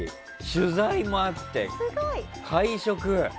取材もあって、会食。